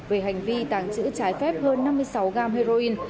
về hành vi tàng trữ trái phép hơn năm mươi sáu gam heroin